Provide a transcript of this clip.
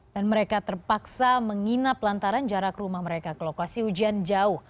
dan mereka terpaksa menginap lantaran jarak rumah mereka ke lokasi ujian jauh